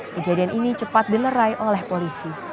kejadian ini cepat dilerai oleh polisi